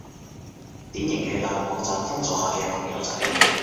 典型嘅大陸網絡封鎖下嘅朋友仔